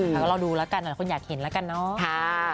แล้วเราดูแล้วกันคุณอยากเห็นแล้วกันเนาะ